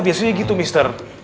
biasanya gitu mister